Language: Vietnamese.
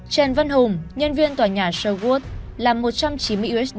trần văn hùng nhân viên tòa nhà sherwood làm một trăm chín mươi usd